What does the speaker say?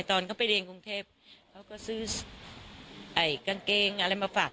ตอนเขาไปเรียนกรุงเทพเขาก็ซื้อกางเกงอะไรมาฝาก